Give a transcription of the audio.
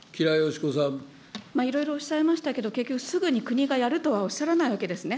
いろいろおっしゃいましたけど、結局すぐに国がやるとはおっしゃらないわけですね。